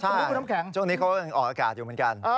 ใช่ช่วงนี้เขาก็ออกอากาศอยู่เหมือนกัน